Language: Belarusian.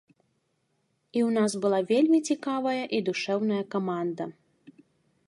І ў нас была вельмі цікавая і душэўная каманда.